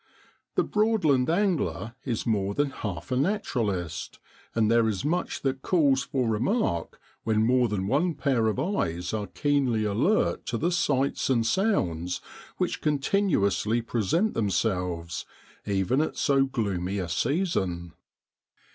The Broadland angler is more than half a naturalist, and there is much that calls for remark when more than one pair of eyes are keenly alert to the sights and sounds which continuously present themselves, even at so gloomy a season.